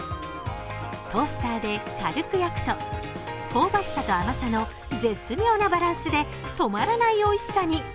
トースターで軽く焼くと香ばしさと甘さで止まらないおいしさに。